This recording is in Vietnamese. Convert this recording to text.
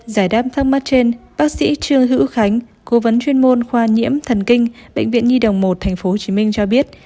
giải đáp thắc mắc trên bác sĩ trương hữu khánh cố vấn chuyên môn khoa nhiễm thần kinh bệnh viện nhi đồng một tp hcm cho biết